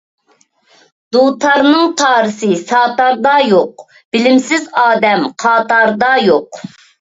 دۇتارنىڭ تارىسى ساتاردا يوق، بىلىمسىز ئادەم قاتاردا يوق.